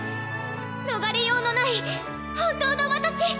逃れようのない本当の私！